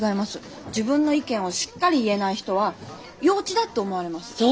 自分の意見をしっかり言えない人は幼稚だって思われます。